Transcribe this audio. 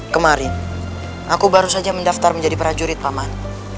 kemarin aku baru saja mendaftar menjadi prajurit paman